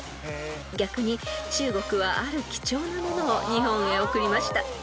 ［逆に中国はある貴重なものを日本へ贈りました］